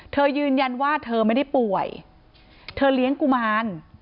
เธอยืนยันว่าเธอไม่ได้ป่วยเธอเลี้ยงกุมาร